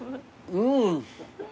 うん！